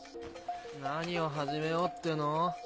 何を始めようっての？